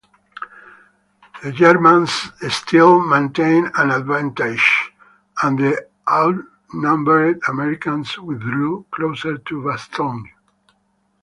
The Germans still maintained an advantage and the outnumbered Americans withdrew closer to Bastogne.